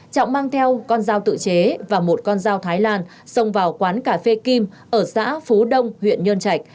trọng mang theo con dao tự chế và một con dao thái lan xông vào quán cà phê kim ở xã phú đông huyện nhơn trạch